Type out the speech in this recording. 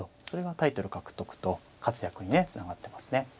それがタイトル獲得と活躍につながってますね。